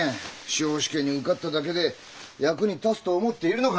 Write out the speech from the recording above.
司法試験に受かっただけで役に立つと思っているのかな？